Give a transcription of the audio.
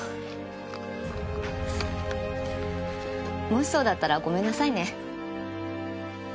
もしそうだったらごめんなさいね。